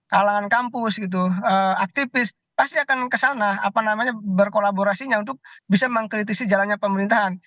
kalangan kampus gitu aktivis pasti akan kesana berkolaborasinya untuk bisa mengkritisi jalannya pemerintahan